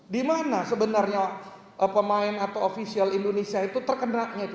di mana sebenarnya pemain atau ofisial indonesia itu terkenanya